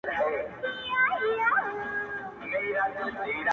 او یوازي شرنګ او سُر لري -